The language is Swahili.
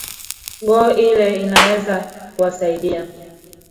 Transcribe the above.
go ile inaweza kuwasaidia